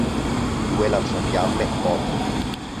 Due lanciafiamme Mod.